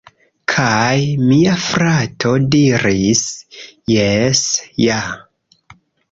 Kaj mia frato diris: "Jes ja!"